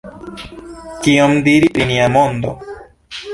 Kion diri pri nia mondo?